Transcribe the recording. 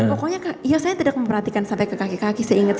pokoknya ya saya tidak memperhatikan sampai ke kaki kaki saya ingat